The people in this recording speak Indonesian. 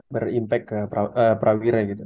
berimpak ke prawira gitu